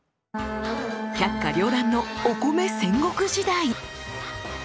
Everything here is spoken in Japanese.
百花りょう乱のお米戦国時代！